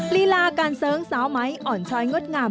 ลีลาการเสริงสาวไม้อ่อนชอยงดงาม